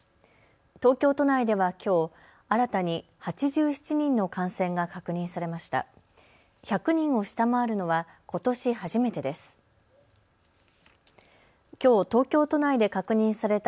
東京都内ではきょう、新たに８７人の感染が確認されました。